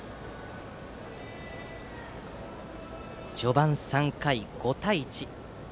序盤３回、５対１。